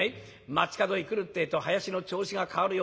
街角へ来るってえと囃子の調子が変わるよ。